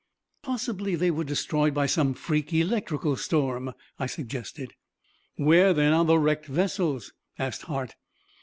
"Possibly they were destroyed by some freak electrical storm," I suggested. "Where then are the wrecked vessels?" asked Hart.